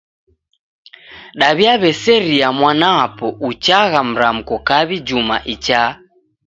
Daw'iaw'eseria mwanapo uchagha mramko kawi juma ichaa.